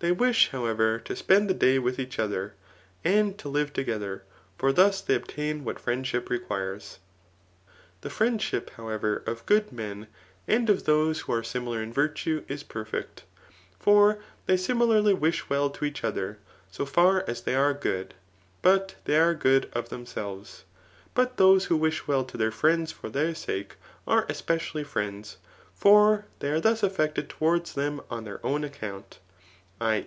They wish, how ever, to spend the day with each other, and to live toge ther ; for thus they obtain what friendship requires. The Digitized by Google 294 THE NICOMAdHEAN MOK IrtlU friendship, however, of good men, and of those whe zxt similar in virtue, is perfect ; for they similarly wish wdl to each other, so far as they are good ; but they are good of themselves. But those who wish well to their friends for their sake, are especially friends ; for they are thus aflFected towards them on their own account, £i.